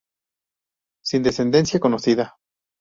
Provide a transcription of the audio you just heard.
Sin descendencia conocida.